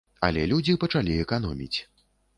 Але людзі пачалі эканоміць.